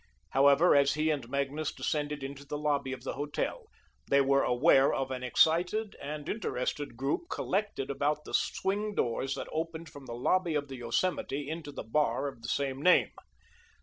However, as he and Magnus descended into the lobby of the hotel, they were aware of an excited and interested group collected about the swing doors that opened from the lobby of the Yosemite into the bar of the same name.